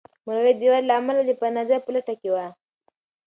مرغۍ د واورې له امله د پناه ځای په لټه کې وې.